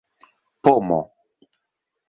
pomo